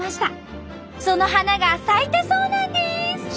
その花が咲いたそうなんです！